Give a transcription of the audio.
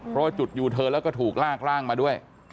เพราะจุดอยู่เธอแล้วก็ถูกลากล่างมาด้วย